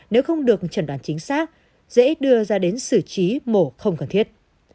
nếu không được chẩn đoán chính xác dễ đưa ra đến xử trí mổ không cần thiết